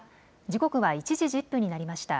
時刻は１時１０分になりました。